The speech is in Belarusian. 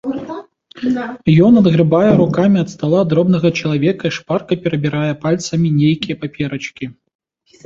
Ён адгрэбае рукамі ад стала дробнага чалавека і шпарка перабірае пальцамі нейкія паперачкі.